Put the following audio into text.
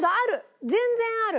全然ある！